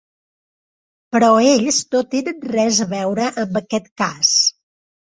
Però ells no tenen res a veure amb aquest cas.